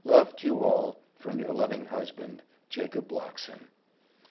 Love to you all, from your loving Husband, JACOB BLOCKSON.